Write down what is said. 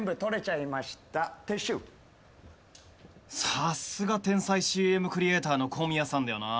さすが天才ＣＭクリエーターの小宮さんだよな。